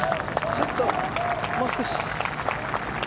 ちょっと、もう少し。